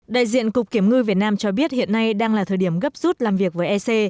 đại diện cục kiểm ngư việt nam cho biết hiện nay đang là thời điểm gấp rút làm việc với ec